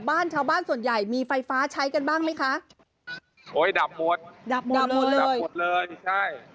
บ้านชาวบ้านส่วนใหญ่มีไฟฟ้าใช้กันบ้างไหมคะโอ้ยดับหมดดับหมดดับหมดเลยดับหมดเลยใช่